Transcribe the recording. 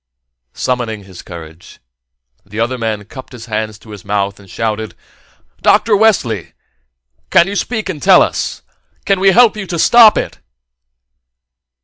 Summoning his courage, the other man cupped his hands about his mouth and shouted: "Dr. Wesley! Can you speak and tell us? Can we help you stop it?"